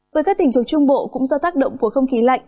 với các tỉnh thuộc trung bộ cũng do tác động của không khí lạnh